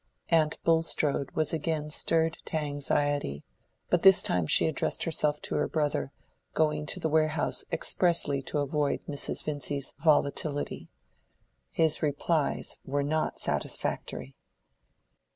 Aunt Bulstrode was again stirred to anxiety; but this time she addressed herself to her brother, going to the warehouse expressly to avoid Mrs. Vincy's volatility. His replies were not satisfactory.